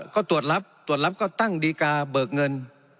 ก็ตรวจรับตรวจรับก็ตั้งดีการ์เบิกเงิน